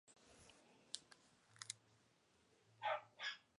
Una teoría sugiere que las dos galaxias están fusionándose en una única galaxia elíptica.